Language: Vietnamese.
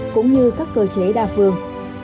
cũng như các cơ chế đa phương